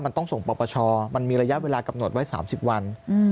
มันต้องส่งปปชมันมีระยะเวลากำหนดไว้๓๐วัน